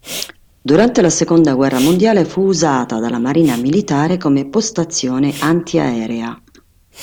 Durante la seconda guerra mondiale fu usata dalla Marina militare come postazione antiaerea.